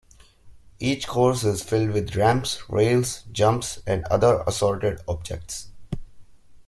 Each course is filled with ramps, rails, jumps, and other assorted objects.